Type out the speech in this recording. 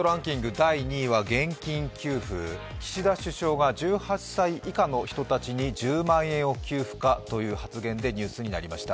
第２は現金給付、岸田首相が１８歳以下の人たちに１０万円を給付かという発言でニュースになりました。